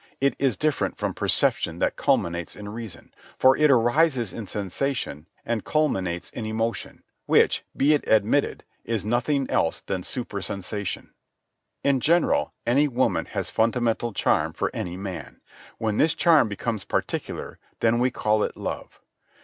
It is different from perception that culminates in reason, for it arises in sensation and culminates in emotion, which, be it admitted, is nothing else than super sensation. In general, any woman has fundamental charm for any man. When this charm becomes particular, then we call it love.